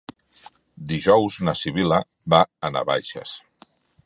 Dijous na Sibil·la va a Navaixes.